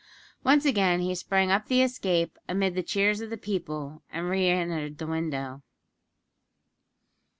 Once again he sprang up the escape amid the cheers of the people, and re entered the window.